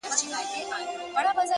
زما په څېره كي؛ ښكلا خوره سي؛